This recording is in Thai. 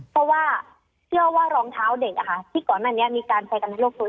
เพราะว่าเชื่อว่ารองเท้าเด็กค่ะที่ก่อนอันนี้มีการใช้กันในโลกโทษ